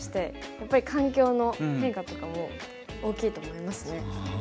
やっぱり環境の変化とかも大きいと思いますね。